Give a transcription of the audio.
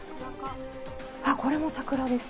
これも桜ですね。